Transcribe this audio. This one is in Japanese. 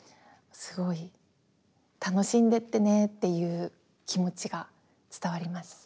すごい「楽しんでってね」っていう気持ちが伝わります。